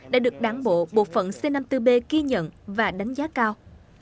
đã được đảng bộ bộ phận c năm mươi bốn b ghi nhận và đánh giá cao